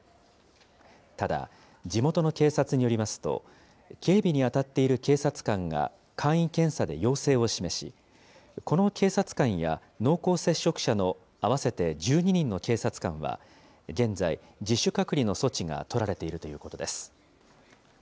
ただ、地元の警察によりますと、警備に当たっている警察官が、簡易検査で陽性を示し、この警察官や濃厚接触者の合わせて１２人の警察官は、現在、自主隔離の措置が取られているということです。